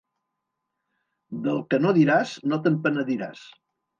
Del que no diràs, no te'n penediràs.